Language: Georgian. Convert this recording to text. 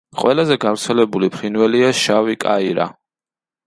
ყველაზე გავრცელებული ფრინველია შავი კაირა.